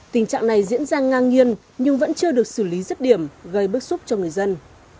tình trạng này diễn ra ngang nhiên nhưng vẫn chưa được xử lý rứt điểm gây bức xúc cho người dân